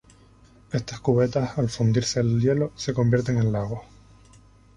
Estas cubetas, al fundirse el hielo, se convierten en lagos.